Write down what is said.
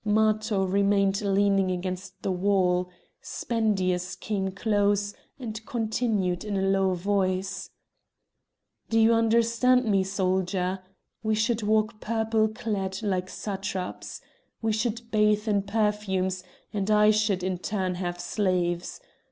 Matho remained leaning against the wall; Spendius came close, and continued in a low voice: "Do you understand me, soldier? We should walk purple clad like satraps. We should bathe in perfumes; and I should in turn have slaves!